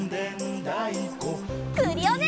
クリオネ！